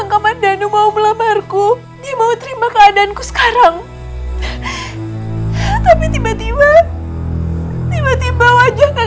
kamu tak melanjutkan ke depan